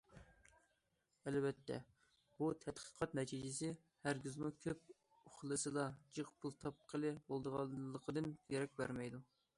ئەلۋەتتە, بۇ تەتقىقات نەتىجىسى ھەرگىزمۇ كۆپ ئۇخلىسىلا جىق پۇل تاپقىلى بولىدىغانلىقىدىن دېرەك بەرمەيدۇ.